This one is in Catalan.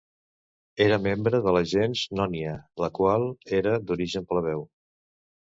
Era membre de la gens Nònia, la qual era d'origen plebeu.